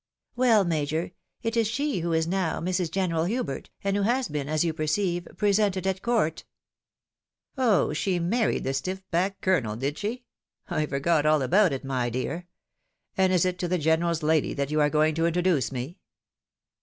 " WeU, Major, it is she who is now Mrs. General Hubert, and who has been, as you perceive, presented at Court." " Oh ! she married the stiif backed Colonel did she ? I forgot all about it, my dear. And is it to the General's lady that you are going to introduce me